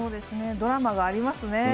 ドラマがありますね。